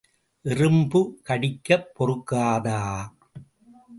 எறும்பு கடிக்கப் பொறுக்காதா?.